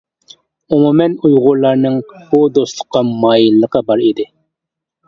ئومۇمەن، ئۇيغۇرلارنىڭ بۇ دوستلۇققا مايىللىقى بار ئىدى.